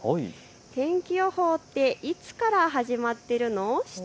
天気予報っていつから始まっているの？